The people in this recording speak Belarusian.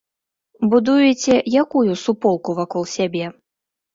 Будуеце якую суполку вакол сябе?